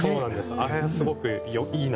あれがすごくいいな。